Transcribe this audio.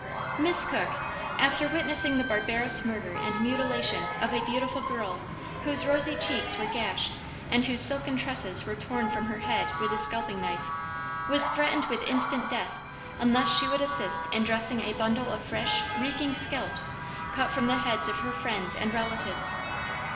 Miss Cook, after witnessing the barbarous murder and mutilation of a beautiful girl, whose rosy cheeks were gashed and whose silken tresses were torn from her head with the scalping knife, was threatened with instant death unless she would assist in dressing a bundle of fresh, reeking scalps cut from the heads of her friends and relatives.